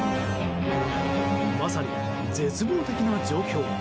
まさに絶望的な状況。